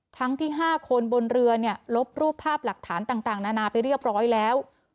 ทั้งที่๕คนบนเรือเนี่ยลบรูปภาพหลักฐานต่างนานาไปเรียบร้อยแล้ว